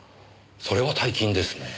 それは大金ですね。